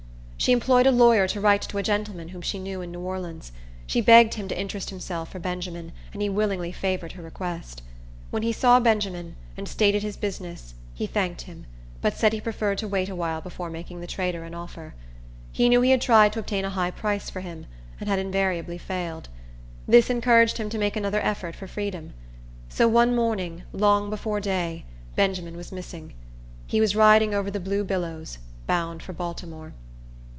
She employed a lawyer to write to a gentleman, whom she knew, in New Orleans. She begged him to interest himself for Benjamin, and he willingly favored her request. When he saw Benjamin, and stated his business, he thanked him; but said he preferred to wait a while before making the trader an offer. He knew he had tried to obtain a high price for him, and had invariably failed. This encouraged him to make another effort for freedom. So one morning, long before day, Benjamin was missing. He was riding over the blue billows, bound for Baltimore.